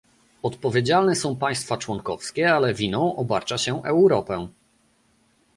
Odpowiedzialne są państwa członkowskie, ale winą obarcza się Europę